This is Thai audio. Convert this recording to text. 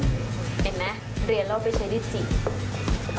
เห็นไหมเรียนแล้วไปเชื่อด้วยจริง